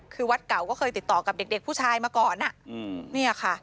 คือวัดเก่าก็เคยติดต่อกับเด็กผู้ชายมาก่อนเนี่ยค่ะ